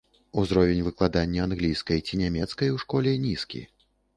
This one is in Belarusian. Узровень выкладання англійскай ці нямецкай у школе нізкі.